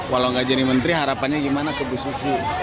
walau nggak jadi menteri harapannya gimana kebu susi